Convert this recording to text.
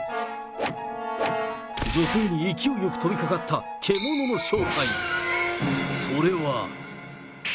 女性に勢いよく飛びかかった獣の正体、それは。